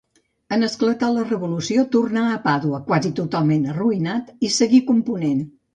En esclatar la Revolució, tornà a Pàdua, quasi totalment arruïnat, i seguí component.